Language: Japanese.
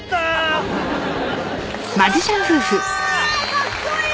かっこいい！